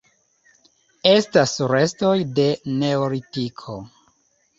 Estas restoj de Neolitiko.